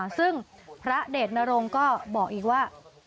ซึ่งพระเดชนรงค์ก็บอกอีกว่า